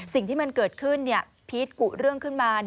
สิ่งที่มันเกิดขึ้นพีชกุเรื่องขึ้นมา